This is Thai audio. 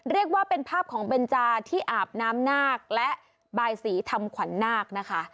เรียกว่าเป็นภาพของเบนจาที่อาบน้ำนาคและบายสีทำขวัญนาคนะคะ